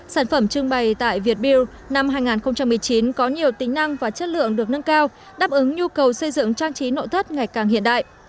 sản phẩm trưng bày tại việt build năm hai nghìn một mươi chín có nhiều tính năng và chất lượng được nâng cao đáp ứng nhu cầu xây dựng trang trí nội thất ngày càng hiện đại